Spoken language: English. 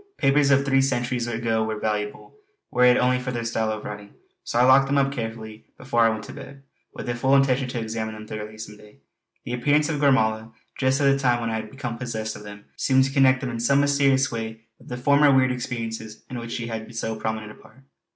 Papers of three centuries ago were valuable, were it only for their style of writing. So I locked them all up carefully before I went to bed, with full intention to examine them thoroughly some day. The appearance of Gormala just at the time when I had become possessed of them seemed to connect them in some mysterious way with the former weird experiences in which she had so prominent a part.